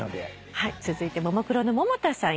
続いてももクロの百田さん